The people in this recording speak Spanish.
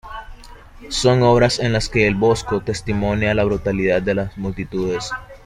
Son obras en las que El Bosco testimonia la brutalidad de las multitudes.